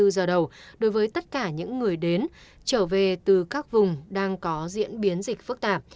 hai mươi giờ đầu đối với tất cả những người đến trở về từ các vùng đang có diễn biến dịch phức tạp